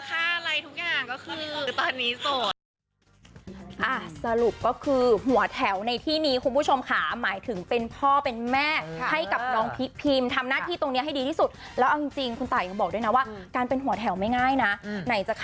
ก็บอกว่าไม่ได้ต่อแถวอยู่แล้วว่ะ